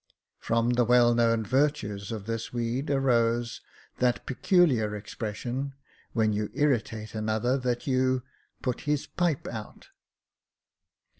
From the well known virtues of this weed arose that peculiar expression, when you irritate another, that you " put his pipe out."